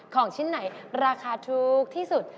ของชิ้นไหนราคาถูกที่สุด